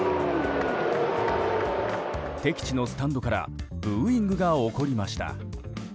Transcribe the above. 敵地のスタンドからブーイングが起こりました。